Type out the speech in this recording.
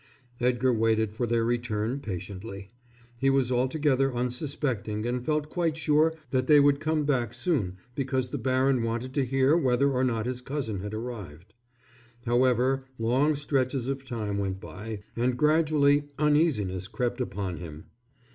Edgar waited for their return patiently. He was altogether unsuspecting and felt quite sure that they would come back soon because the baron wanted to hear whether or not his cousin had arrived. However, long stretches of time went by, and gradually uneasiness crept upon him.